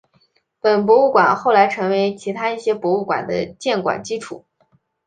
本博物馆后来成为其他一些博物馆的建馆基础。